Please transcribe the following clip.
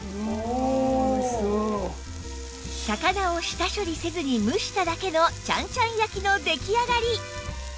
魚を下処理せずに蒸しただけのちゃんちゃん焼きの出来上がり！